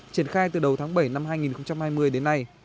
triển khai từ đầu tháng bảy năm hai nghìn hai mươi đến nay